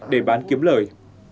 để bán kiếm lời